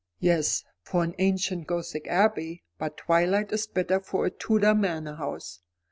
'" "Yes, for an ancient Gothic abbey; but twilight is better for a Tudor manor house.